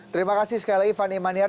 terima kasih sekali fani maniar